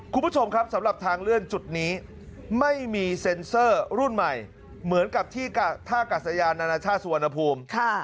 คุณผู้ชมครับสำหรับทางเลื่อนจุดนี้ไม่มีเซ็นเซอร์รุ่นใหม่เหมือนกับที่ท่ากัศยานานาชาติสุวรรณภูมิ